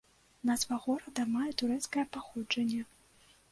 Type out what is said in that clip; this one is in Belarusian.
Назва горада мае турэцкае паходжанне.